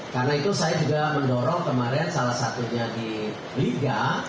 karena itu saya juga mendorong kemarin salah satunya di liga